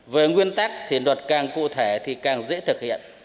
với nguyên tắc thì nhuật càng cụ thể thì càng dễ thực hiện